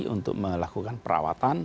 untuk melakukan perawatan